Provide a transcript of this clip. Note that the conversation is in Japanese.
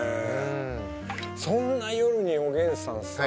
そんな夜におげんさんさ